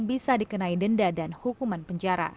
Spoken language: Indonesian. bisa dikenai denda dan hukuman penjara